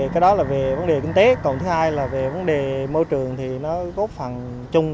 cái đó là về vấn đề kinh tế còn thứ hai là về vấn đề môi trường thì nó góp phần chung